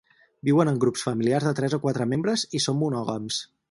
Viuen en grups familiars de tres o quatre membres, i són monògams.